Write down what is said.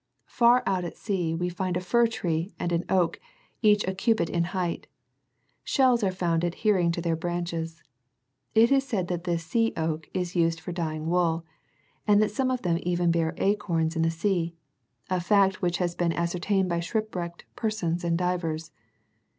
Par out at sea we find a fir tree 45 and an oak,4G each a cubit in height ; shells are found adhering to their branches. It is said that this sea oak is used for dyeing wool, and that some of them even bear acorns 47 in the sea, a fact which has been ascertained by shipwrecked persons and divers.